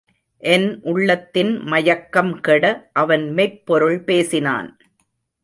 என் உள்ளத்தின் மயக்கம் கெட அவன் மெய்ப்பொருள் பேசினான்.